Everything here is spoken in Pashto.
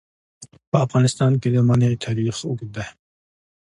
په افغانستان کې د منی تاریخ اوږد دی.